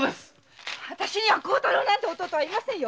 わたしには孝太郎なんて弟はいませんよ！